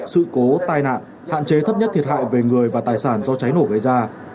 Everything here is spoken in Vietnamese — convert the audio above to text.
sự cố tai nạn hạn chế thấp nhất thiệt hại về người và tài sản do cháy nổ gây ra